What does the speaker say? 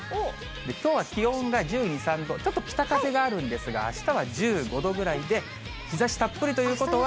きょうは気温が１２、３度、ちょっと北風があるんですが、あしたは１５度ぐらいで、日ざしたっぷりということは。